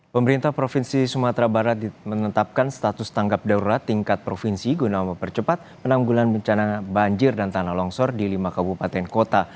pemerintah provinsi sumatera barat menetapkan status tanggap darurat tingkat provinsi guna mempercepat penanggulan bencana banjir dan tanah longsor di lima kabupaten kota